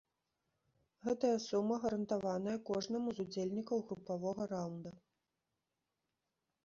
Гэтая сума гарантаваная кожнаму з удзельнікаў групавога раўнда.